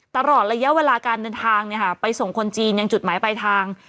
ตลอดระยะเวลาการเดินทางเนี่ยค่ะไปส่งคนจีนยังจุดหมายไปทาง